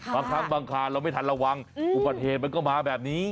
บางครั้งบางคราวเราไม่ทันระวังประเทศมันก็มาแบบนี้